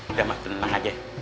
udah mak tenang aja